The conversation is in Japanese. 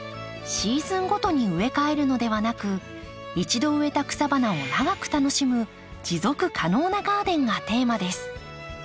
シーズンごとに植え替えるのではなく一度植えた草花を長く楽しむ持続可能なガーデンがテーマです。